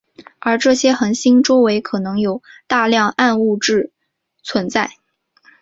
而这些恒星周围可能有大量暗物质存在。